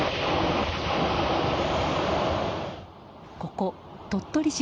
ここ鳥取市